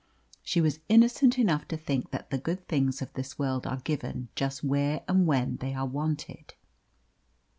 She was innocent enough to think that the good things of this world are given just where and when they are wanted.